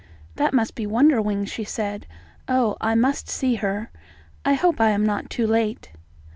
"That must be Wonderwings," she said. "Oh, I must see her. I hope I am not too late."